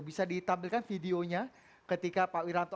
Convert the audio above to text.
bisa ditampilkan videonya ketika pak wiranto